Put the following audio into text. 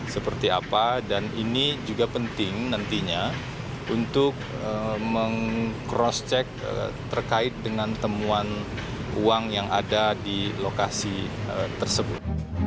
seperti apa dan ini juga penting nantinya untuk meng cross check terkait dengan temuan uang yang ada di lokasi tersebut